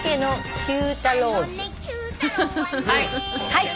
はい。